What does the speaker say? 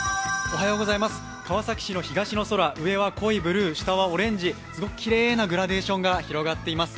川崎市の東の空、上は濃いブルー、下はオレンジすごくきれいなグラデーションが広がっています。